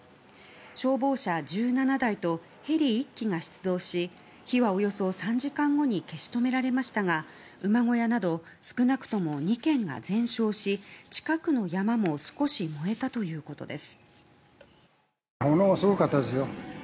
消防車１７台とヘリ１機が出動し火はおよそ３時間後に消し止められましたが馬小屋など少なくとも２軒が全焼し近くの山も少し燃えたということです。